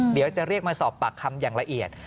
เดี๋ยวจะเรียกมาสอบปากคำอย่างละเอียด